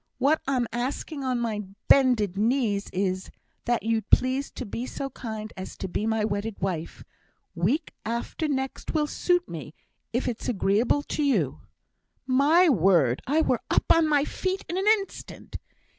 What I'm asking on my bended knees is, that you'd please to be so kind as to be my wedded wife; week after next will suit me, if it's agreeable to you!' My word! I were up on my feet in an instant!